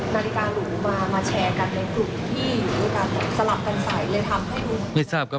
นาฬิกาหรูมามาแชร์กันในกลุ่มที่อยู่ด้วยครับ